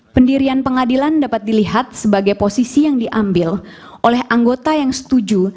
pendirian pengadilan dapat dilihat sebagai posisi yang diambil oleh anggota yang setuju